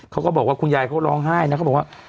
เขาก็บอกว่าคุณยายเขาร้องไห้นะเขาบอกว่า